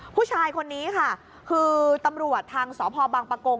ผู้ชายคนนี้ค่ะคือตำรวจทางสพบังปะโกง